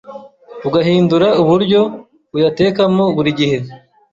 ugahindura uburyo uyatekamo burigihe